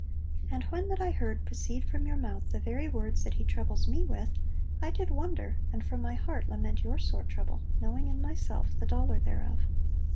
And when that I heard proceed from your mouth the very words that he troubles me with, I did wonder and from my heart lament your sore trouble, knowing in myself the dolour thereof.'